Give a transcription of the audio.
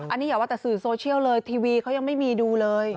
อันนี้อย่าว่าแต่สื่อโซเชียลเลยทีวีเขายังไม่มีดูเลย